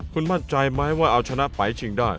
คุณมั่นใจไหมว่าเอาชนะไปชิงได้